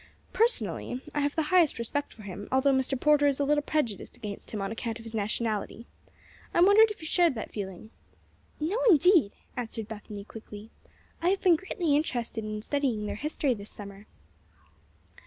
Personally, I have the highest respect for him, although Mr. Porter is a little prejudiced against him on account of his nationality. I wondered if you shared that feeling." "No, indeed!" answered Bethany, quickly. "I have been greatly interested in studying their history this summer."